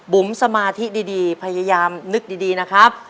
บุ๋มสมาธิดีพยายามนึกดีนะครับ